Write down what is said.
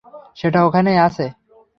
সেটা ওখানেই আছে।